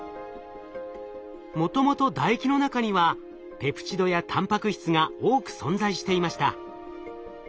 もともと唾液の中にはペプチドやたんぱく質が多く存在していました。